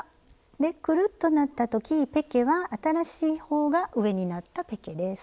でくるっとなった時ペケは新しい方が上になったペケです。